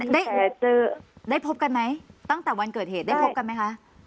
ได้เจอได้พบกันไหมตั้งแต่วันเกิดเหตุได้พบกันไหมคะ